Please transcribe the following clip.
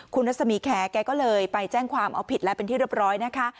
คุณรัศมีแคร์แกก็เลยไปแจ้งความเอาผิดแล้วเป็นที่เรียบร้อยนะคะ